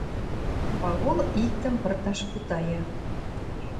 — Пагул иктӹм пырташ путая.